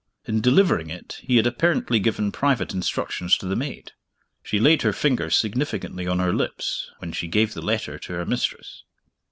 In delivering it he had apparently given private instructions to the maid. She laid her finger significantly on her lips when she gave the letter to her mistress.